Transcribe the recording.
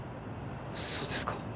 そうですか。